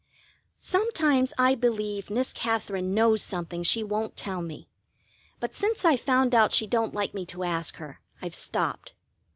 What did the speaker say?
Sometimes I believe Miss Katherine knows something she won't tell me, but since I found out she don't like me to ask her I've stopped.